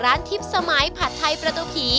ทิพย์สมัยผัดไทยประตูผี